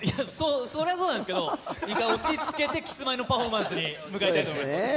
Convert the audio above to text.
そりゃそうなんですけど一回落ち着けてキスマイのパフォーマンスを迎えたいと思います。